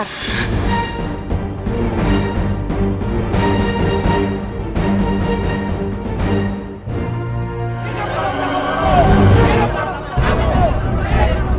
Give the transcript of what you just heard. hidup dalam tanganmu hidup dalam tanganmu